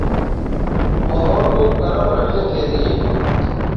ماحول کو گرم رکھنے کے لئے